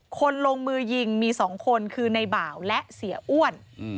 คนลงมือยิงมี๒คนคือในบ่าวและเสียอ้วน